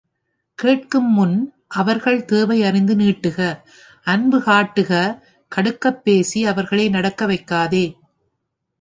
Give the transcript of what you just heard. கேட்கும் முன் அவர்கள் தேவை அறிந்து நீட்டுக அன்பு காட்டுக கடுக்கப் பேசி அவர்களை நடக்க வைக்காதே.